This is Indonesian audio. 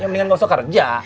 ya mendingan gausah kerja